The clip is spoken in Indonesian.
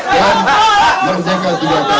dan menjaga tiga kali